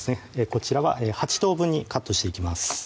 こちらは８等分にカットしていきます